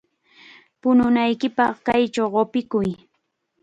Puñunaykipaq kaychaw qupikuy.